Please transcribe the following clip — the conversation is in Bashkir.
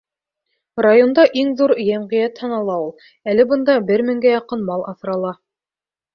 Районда иң ҙур йәмғиәт һанала ул, әле бында бер меңгә яҡын мал аҫрала.